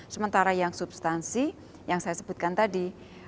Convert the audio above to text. sementara yang substansi yang saya sebutkan tadi